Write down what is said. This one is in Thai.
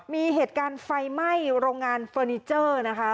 มีเหตุการณ์ไฟไหม้โรงงานเฟอร์นิเจอร์นะคะ